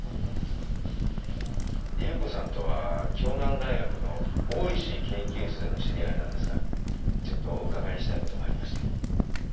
夕子さんとは京南大学の大石研究室での知り合いなんですがちょっとお伺いしたいことがありまして。